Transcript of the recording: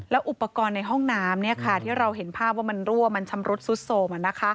อุปกรณ์ในห้องน้ำที่เราเห็นภาพว่ามันรั่วมันชำรุดซุดโสม